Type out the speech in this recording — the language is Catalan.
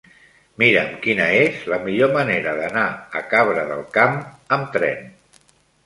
Mira'm quina és la millor manera d'anar a Cabra del Camp amb tren.